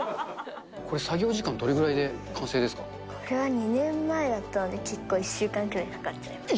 これ作業時間、これは２年前だったので、結構１週間くらいかかっちゃいました。